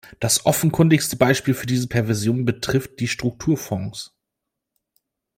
Das offenkundigste Beispiel für diese Perversion betrifft die Strukturfonds.